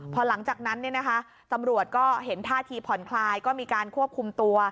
พอหลังจากนั้นตำรวจก็เห็นท่าทีผ่อนคลายก็มีการควบคุมตัว